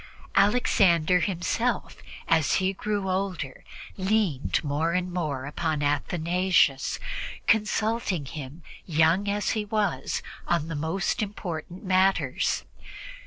Alexander himself as he grew older leaned more and more on Athanasius, consulting him, young as he was, on the most important matters.